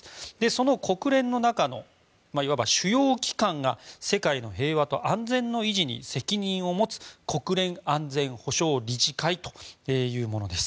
その国連の中のいわば主要機関が世界の平和と安全の維持に責任を持つ国連安全保障理事会というものです。